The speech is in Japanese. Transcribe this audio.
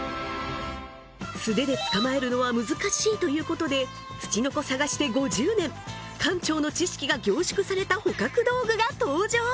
素手で捕まえるのは難しいということでツチノコ探して５０年館長の知識が凝縮された捕獲道具が登場！